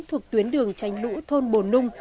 thuộc tuyến đường tranh lũ thôn bồn nung